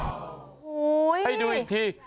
โอ้โหให้ดูอีกที